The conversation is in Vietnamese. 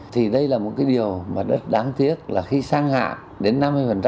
thì đây là một cái điều mà rất đáng tiếc là khi sang hạ đến năm mươi